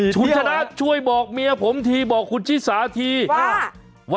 คุณชนะช่วยบอกเมียผมทีบอกคุณชิสาที